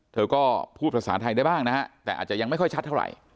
เธอก็พูดภาษาไทยได้บ้างนะฮะแต่อาจจะยังไม่ค่อยชัดเท่าไหร่